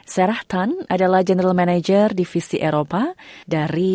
sarah tan adalah general manager divisi eropa